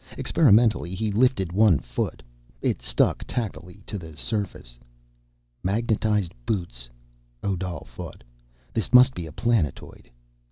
Experimentally, he lifted one foot. It stuck, tackily, to the surface. Magnetized boots, Odal thought. _This must be a planetoid.